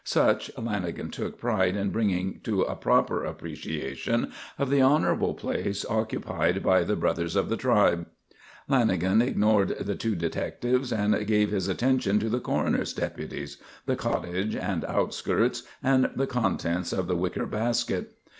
Such Lanagan took pride in bringing to a proper appreciation of the honourable place occupied by the brothers of the Tribe. Lanagan ignored the two detectives and gave his attention to the coroner's deputies, the cottage and outskirts, and the contents of the wicker basket.